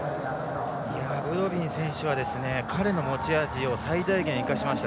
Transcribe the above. ブドビン選手は彼の持ち味を最大限に生かしました。